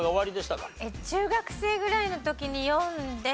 中学生ぐらいの時に読んで。